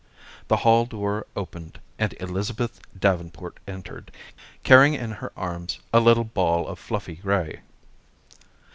The hall door opened, and Elizabeth Davenport entered, carrying in her arms a little ball of fluffy gray.